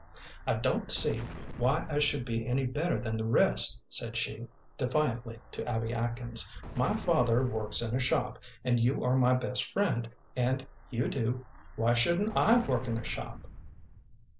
"I don't see why I should be any better than the rest," said she, defiantly, to Abby Atkins. "My father works in a shop, and you are my best friend, and you do. Why shouldn't I work in a shop?"